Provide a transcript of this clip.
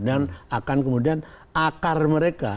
dan akan kemudian akar mereka